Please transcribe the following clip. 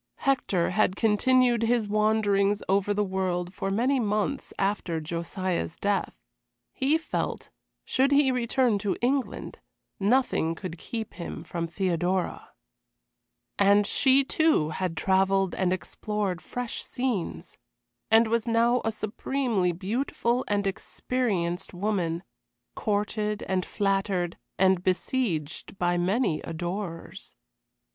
Hector had continued his wanderings over the world for many months after Josiah's death. He felt, should he return to England, nothing could keep him from Theodora. And she, too, had travelled and explored fresh scenes, and was now a supremely beautiful and experienced woman courted and flattered, and besieged by many adorers.